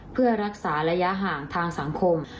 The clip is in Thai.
เพื่อรักษาระยะห่างทางสังคม